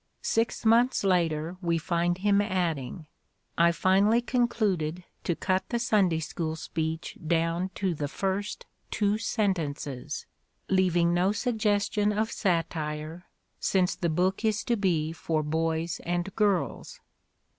Six months later we find him adding: "I finally concluded to cut the Sunday School speech down to the first two sentences, leaving no suggestion of satire, since the book is to be for boys and girls.